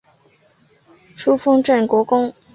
初封镇国公。